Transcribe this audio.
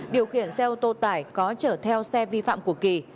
điều khiển xe ô tô tải có chở theo xe vi phạm của kỳ